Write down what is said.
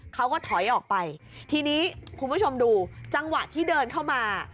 เขาก็ถอยออกไปทีนี้คุณผู้ชมดูจังหวะที่เดินเข้ามา